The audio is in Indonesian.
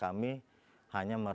kami hanya merayakan